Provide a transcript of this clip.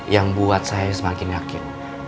yang buat saya semakin yakin